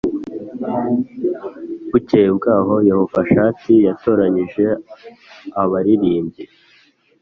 Bukeye bwaho Yehoshafati yatoranyije abaririmbyi